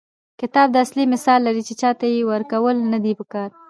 کتاب د اسلحې مثال لري، چي چا ته ئې ورکول نه دي په کار.